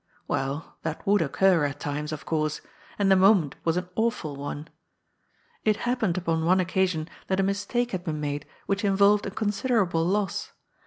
Well, that would occur at times, of course ; and the moment was an awful one. It happened upon one occasion that a mistake had been made which in volved a considerable loss.